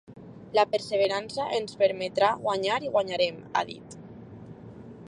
La perseverança ens permetrà guanyar i guanyarem, ha dit.